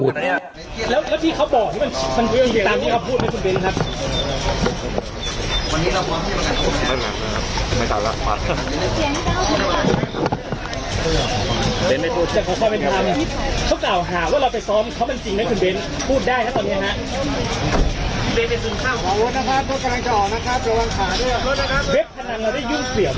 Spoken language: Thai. เราก็จะให้เลย